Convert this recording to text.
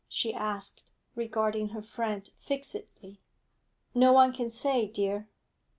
she asked, regarding her friend fixedly. 'No one can say, dear.'